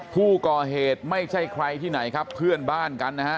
ผู้ก่อเหตุไม่ใช่ใครที่ไหนครับเพื่อนบ้านกันนะฮะ